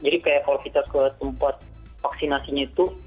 jadi kalau kita ke tempat vaksinasi nya itu